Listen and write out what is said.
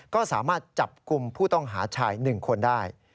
ก็สามารถจับกลุ่มผู้ต้องหาชาย๑คนได้